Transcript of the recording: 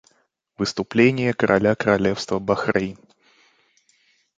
Выступление короля Королевства Бахрейн.